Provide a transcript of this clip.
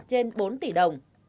trên bốn tỷ đồng